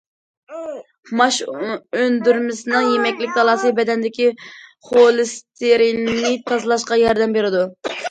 ماش ئۈندۈرمىسىنىڭ يېمەكلىك تالاسى بەدەندىكى خولېستېرىننى تازىلاشقا ياردەم بېرىدۇ.